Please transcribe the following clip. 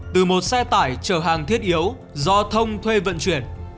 từ một xe tải chở hàng thiết yếu do thông thuê vận chuyển